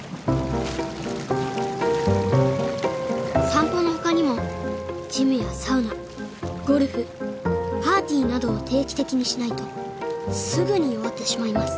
散歩の他にもジムやサウナゴルフパーティーなどを定期的にしないとすぐに弱ってしまいます